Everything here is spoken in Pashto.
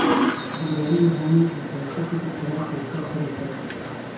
عبدالباري جهاني د تاريخي پېښو په رڼا کې يو ښه اثر ليکلی دی.